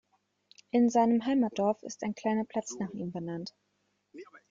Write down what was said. In seinem Heimatdorf ist ein kleiner Platz nach ihm benannt.